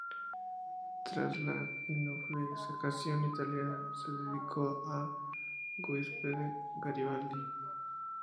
Tras la unificación italiana, se dedicó a Giuseppe Garibaldi.